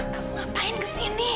kamu ngapain ke sini